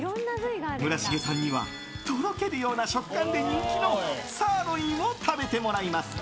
村重さんにはとろけるような食感で人気のサーロインを食べてもらいます。